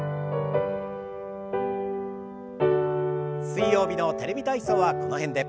水曜日の「テレビ体操」はこの辺で。